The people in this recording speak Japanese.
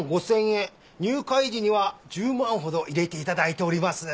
入会時には１０万ほど入れて頂いております。